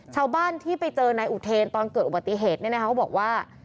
ชาวบ้านที่ไปเจอนายอุเทนตอนเกิดอุบัติเหตุเนี่ยนะคะเขาบอกว่า